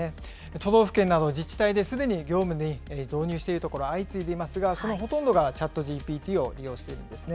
都道府県など、自治体ですでに業務に導入しているところ、相次いでいますが、そのほとんどがＣｈａｔＧＰＴを利用しているんですね。